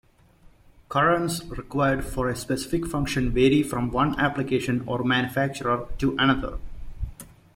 Currents required for a specific function vary from one application or manufacturer to another.